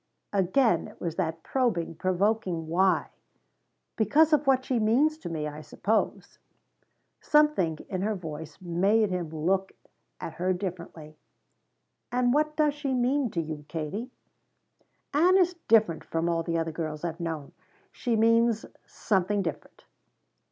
Again it was that probing, provoking why. "Because of what she means to me, I suppose." Something in her voice made him look at her differently. "And what does she mean to you, Katie?" "Ann is different from all the other girls I've known. She means something different."